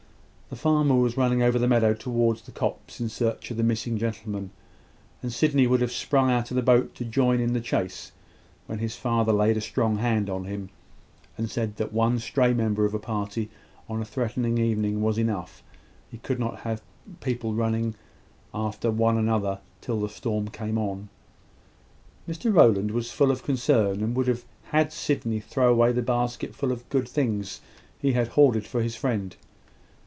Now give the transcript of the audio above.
The farmer was running over the meadow towards the copse in search of the missing gentleman, and Sydney would have sprung out of the boat to join in the chase, when his father laid a strong hand on him, and said that one stray member of a party on a threatening evening was enough. He could not have people running after one another till the storm came on. Mr Rowland was full of concern, and would have had Sydney throw away the basketful of good things he had hoarded for his friend.